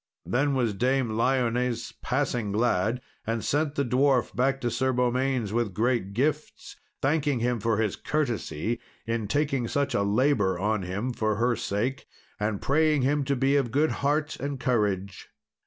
Then was Dame Lyones passing glad, and sent the dwarf back to Sir Beaumains with great gifts, thanking him for his courtesy, in taking such a labour on him for her sake, and praying him to be of good heart and courage.